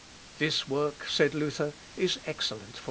"This work," said Luther, "is excellent for the laity."